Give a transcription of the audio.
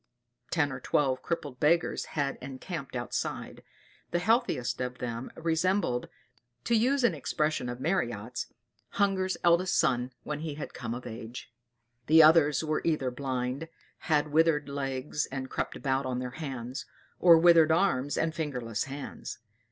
Ten or twelve crippled beggars had encamped outside. The healthiest of them resembled, to use an expression of Marryat's, "Hunger's eldest son when he had come of age"; the others were either blind, had withered legs and crept about on their hands, or withered arms and fingerless hands.